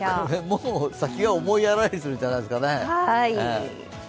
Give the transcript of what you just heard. もう先が思いやられるんじゃないですかね。